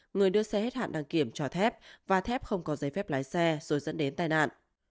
người đưa xe hết hạn đăng kiểm cho thép và thép không có giấy phép lái xe rồi dẫn đến tai nạn